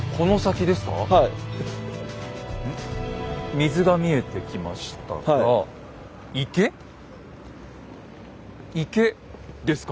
水が見えてきましたが池ですか？